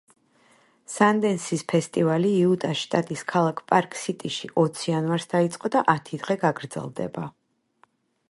სანდენსის ფესტივალი იუტას შტატის ქალაქ პარკ სიტიში ოც იანვარს დაიწყო და ათი დღე გაგრძელდება.